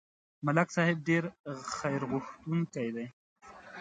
ملک صاحب ډېر خیرغوښتونکی دی.